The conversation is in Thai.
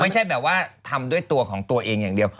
ไม่ใช่แบบว่าทำด้วยตัวของตัวเองอย่างเดียว